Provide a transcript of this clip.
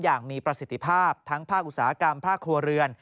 อย่างมีประสิทธิภาพทั้งภาคอุตสาหกรรมภาคครัวเรือน